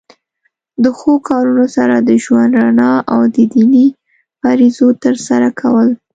د ښو کارونو سره د ژوند رڼا او د دینی فریضو تر سره کول.